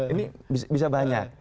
ini bisa banyak